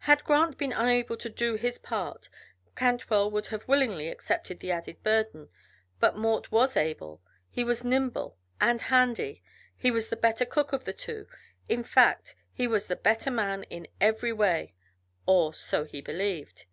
Had Grant been unable to do his part Cantwell would have willingly accepted the added burden, but Mort was able, he was nimble and "handy," he was the better cook of the two; in fact, he was the better man in every way or so he believed.